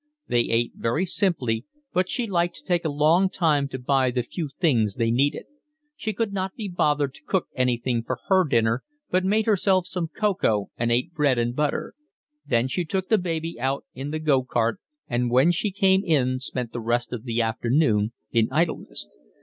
They ate very simply, but she liked to take a long time to buy the few things they needed; she could not be bothered to cook anything for her dinner, but made herself some cocoa and ate bread and butter; then she took the baby out in the gocart, and when she came in spent the rest of the afternoon in idleness.